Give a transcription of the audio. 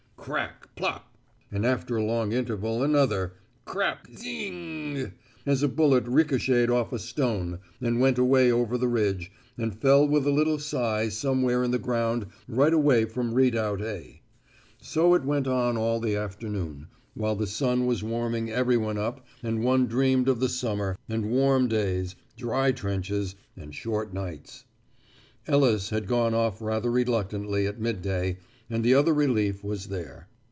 "Crack plop," and after a long interval another "Crack zin n n g," as a bullet ricocheted off a stone, and went away over the ridge and fell with a little sigh somewhere in the ground right away beyond Redoubt A. So it went on all the afternoon, while the sun was warming everyone up and one dreamed of the summer, and warm days, dry trenches, and short nights. Ellis had gone off rather reluctantly at midday, and the other relief was there.